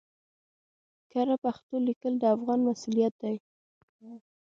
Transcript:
کره پښتو ليکل د افغان مسؤليت دی